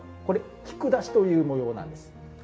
これ菊出しという模様なんです。